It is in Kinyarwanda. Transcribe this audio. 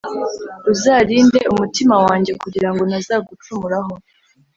Uzarinde umutima wanjye kugirango ntazagucumuraho